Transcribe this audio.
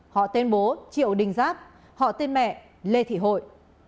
họ tên bố triệu đình giáp họ tên mẹ lê thị hội